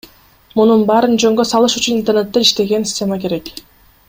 Мунун баарын жөнгө салыш үчүн интернетте иштеген система керек.